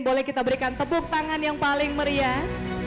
boleh kita berikan tepuk tangan yang paling meriah